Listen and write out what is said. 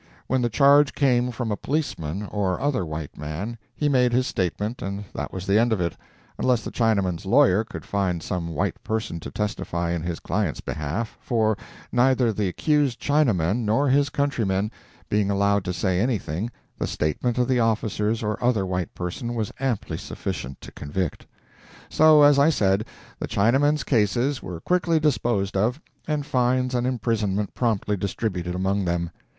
When the charge came from a policeman or other white man, he made his statement and that was the end of it, unless the Chinaman's lawyer could find some white person to testify in his client's behalf, for, neither the accused Chinaman nor his countrymen being allowed to say anything, the statement of the officers or other white person was amply sufficient to convict. So, as I said, the Chinamen's cases were quickly disposed of, and fines and imprisonment promptly distributed among them.